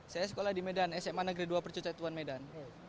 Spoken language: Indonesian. saya sekolah di medan sma negeri dua percocatuan medan